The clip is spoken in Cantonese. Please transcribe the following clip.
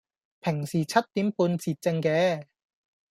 平時七點半截症嘅